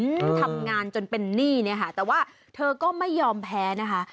อืมทำงานจนเป็นหนี้เนี้ยค่ะแต่ว่าเธอก็ไม่ยอมแพ้นะคะ